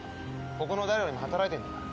ここの誰よりも働いてるんだから。